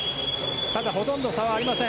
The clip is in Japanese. ほとんど差はありません。